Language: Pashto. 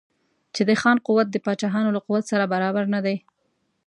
چې د خان قوت د پاچاهانو له قوت سره برابر نه دی.